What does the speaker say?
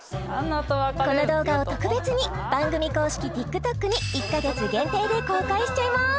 この動画を特別に番組公式ＴｉｋＴｏｋに１カ月限定で公開しちゃいます！